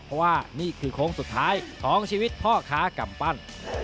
เพราะว่านี่คือโค้งสุดท้ายของชีวิตพ่อค้ากำปั้น